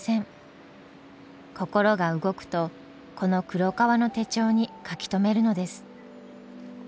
心が動くとこの黒革の手帳に書き留めるのです。